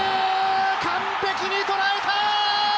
完璧に捉えた！